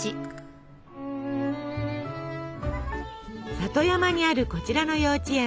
里山にあるこちらの幼稚園。